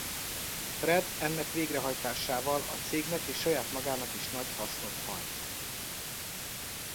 Fred ennek végrehajtásával a cégnek és saját magának is nagy hasznot hajt.